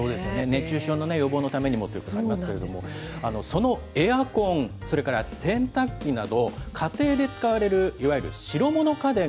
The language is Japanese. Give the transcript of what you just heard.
熱中症の予防のためにもっていうところありますけれども、そのエアコン、それから洗濯機など、家庭で使われるいわゆる白物家電